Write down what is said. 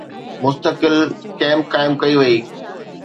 مستقل ڪئمپ قائم ڪئي وئي